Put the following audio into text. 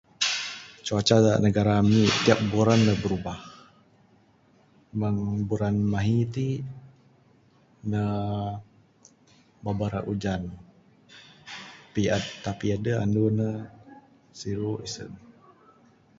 Cuaca da negara ami tiap buran ne birubah. Meng buran mahi ti, ne babar ra ujan. Tapi adeh anu ne siru isen.